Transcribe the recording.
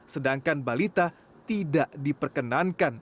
sedangkan balita tidak diperkenankan